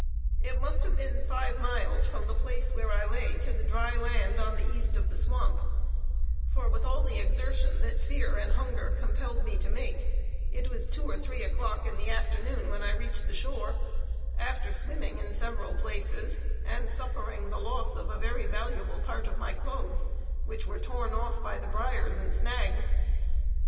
It must have been five miles from the place where I lay to the dry land on the East of the swamp; for with all the exertion that fear and hunger compelled me to make, it was two or three o'clock in the afternoon when I reached the shore, after swimming in several places, and suffering the loss of a very valuable part of my clothes, which were torn off by the briars and snags.